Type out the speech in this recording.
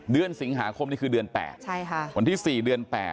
เดือนสิงหาคมนี่คือเดือน๘วันที่๔เดือน๘